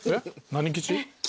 何吉？